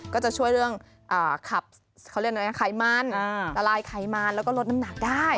ก็จะช่วยเรื่องขับเขาเรียกอะไรไขมันละลายไขมันแล้วก็ลดน้ำหนักได้